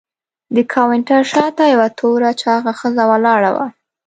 د کاونټر شاته یوه توره چاغه ښځه ولاړه وه.